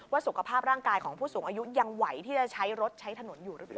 สุขภาพร่างกายของผู้สูงอายุยังไหวที่จะใช้รถใช้ถนนอยู่หรือเปล่า